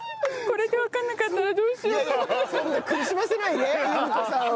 苦しませないで由美子さんを。